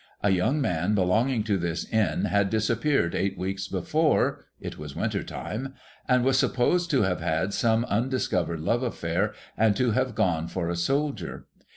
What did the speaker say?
A young man belonging to this Inn had dis api:)eared eight weeks before (it was winter time), and was supposed to have had some undiscovered love affair, and to have gone for a soldier.